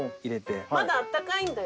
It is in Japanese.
まだあったかいんだよね？